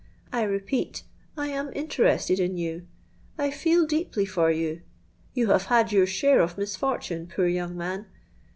I repeat, I am interested in you; I feel deeply for you. You have had your share of misfortune, poor young man!